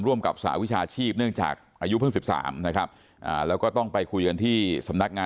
กับสหวิชาชีพเนื่องจากอายุเพิ่ง๑๓นะครับแล้วก็ต้องไปคุยกันที่สำนักงาน